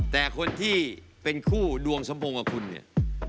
แต่คนที่เป็นคู่ดวงสมพงษ์กับคุณเนี่ย